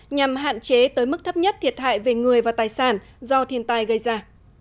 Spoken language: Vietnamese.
nhằm hạn chế tới mức thấp nhất thiệt hại về người và tài sản do thiên tai gây ra